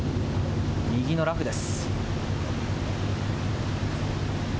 右のラフです。